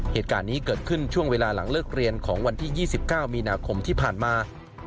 เหตุการณ์นี้เกิดขึ้นช่วงเวลาหลังเลิกเรียนของวันที่๒๙มีนาคมที่ผ่านมา